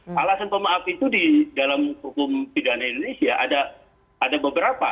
alasan pemaaf itu di dalam hukum pidana indonesia ada beberapa